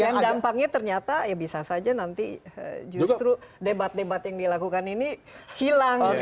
dampaknya ternyata ya bisa saja nanti justru debat debat yang dilakukan ini hilang